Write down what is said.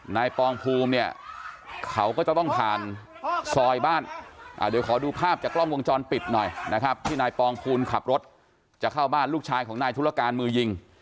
ปองภูมิเนี่ยเขาก็จะต้องผ่านซอยบ้านเดี๋ยวขอดูภาพจากกล้องวงจรปิดหน่อยนะครับที่นายปองภูลขับรถจะเข้าบ้านลูกชายของนายธุรการมือยิง